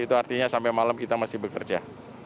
itu artinya sampai malam kita masih bekerja